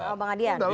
oh bang adrian